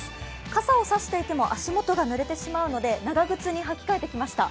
傘を差していても足元がぬれてしまうので長靴に履き替えてきました。